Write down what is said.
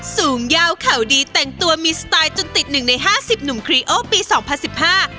สูงยาวเข่าดีแต่งตัวมีสไตล์จนติดหนึ่งในห้าสิบหนุ่มครีโอปีสองพันสิบห้า